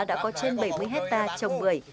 đã có trên bảy mươi hecta trồng bưởi